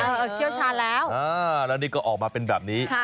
เชี่ยวชาญแล้วแล้วนี่ก็ออกมาเป็นแบบนี้